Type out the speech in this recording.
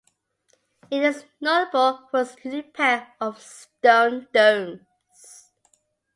It is notable for its unique pair of stone domes.